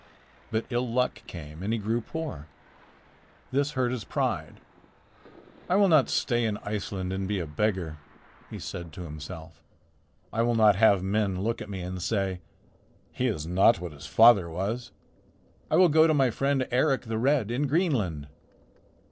But ill luck came, and he grew poor. This hurt his pride. 'I will not stay in Iceland and be a beggar,' he said to himself. 'I will not have men look at me and say, "He is not what his father was." I will go to my friend Eric the Red in Greenland.'